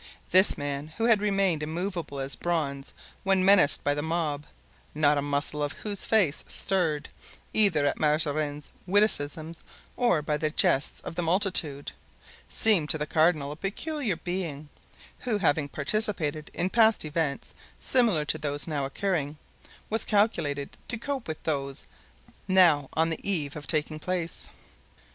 This man, who had remained immovable as bronze when menaced by the mob—not a muscle of whose face was stirred, either at Mazarin's witticisms or by the jests of the multitude—seemed to the cardinal a peculiar being, who, having participated in past events similar to those now occurring, was calculated to cope with those now on the eve of taking place.